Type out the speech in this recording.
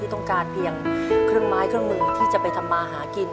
ต้องการเพียงเครื่องไม้เครื่องมือที่จะไปทำมาหากิน